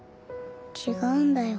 違うんだよ。